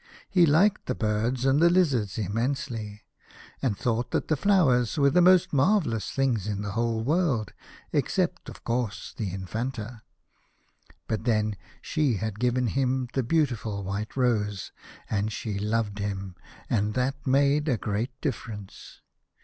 He liked the birds and the lizards immensely, and thought that the flowers were the most marvellous things in the whole world, except of course the Infanta, but then she had given him the beautiful white rose, and she loved him, and that made a great difference.